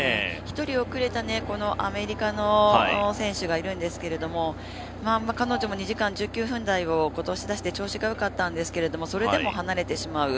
１人遅れたアメリカの選手がいるんですけれども、彼女も２時間１９分台を今年出して、調子がよかったんですけどそれでも離れてしまう。